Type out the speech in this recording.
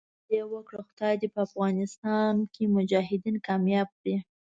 دعا یې وکړه خدای دې په افغانستان کې مجاهدین کامیاب کړي.